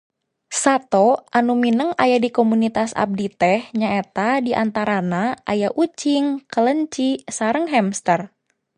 Sato anu mindeng aya di komunitas abdi teh nyaeta di antarana aya ucing, kelenci, sareng hamster.